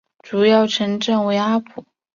主要城镇为阿普。